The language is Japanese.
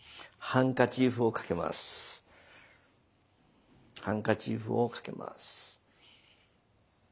ハンカチーフをかけます。